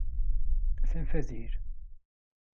Atan Fadil.